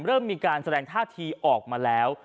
เริ่มมีการแสดงท่าทีออกมาแล้ว